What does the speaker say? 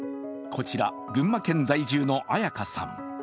こちら群馬県在住のあやかさん。